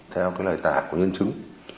theo cái lời tả của nhân chứng